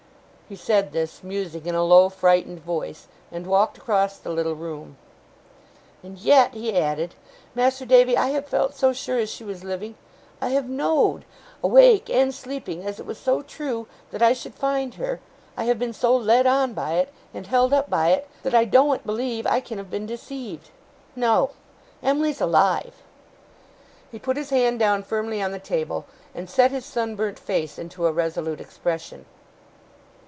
He said this, musing, in a low, frightened voice; and walked across the little room. 'And yet,' he added, 'Mas'r Davy, I have felt so sure as she was living I have know'd, awake and sleeping, as it was so trew that I should find her I have been so led on by it, and held up by it that I doen't believe I can have been deceived. No! Em'ly's alive!' He put his hand down firmly on the table, and set his sunburnt face into a resolute expression.